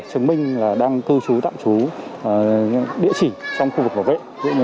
chứng minh là đang tư chú tạm chú địa chỉ trong khu vực bảo vệ